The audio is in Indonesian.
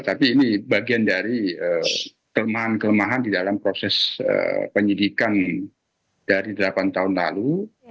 tapi ini bagian dari kelemahan kelemahan di dalam proses penyidikan dari delapan tahun lalu